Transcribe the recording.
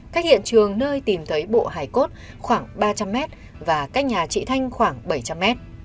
cách hiện trường nơi tìm thấy bộ hải cốt khoảng ba trăm linh m và cách nhà chị thanh khoảng bảy trăm linh m